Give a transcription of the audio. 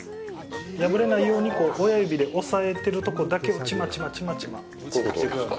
破れないように、こう、親指で押さえてるとこだけをちまちま、ちまちまちぎっていくような。